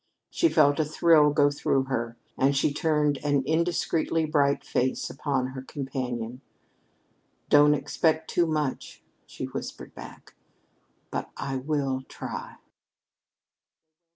She felt a thrill go through her, and she turned an indiscreetly bright face upon her companion. "Don't expect too much," she whispered back, "but I will try."